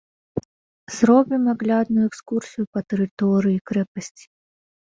Зробім аглядную экскурсію па тэрыторыі крэпасці.